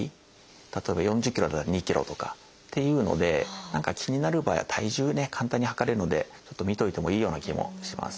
例えば４０ｋｇだったら２ｋｇとかっていうので何か気になる場合は体重ね簡単に量れるのでちょっと見といてもいいような気もします。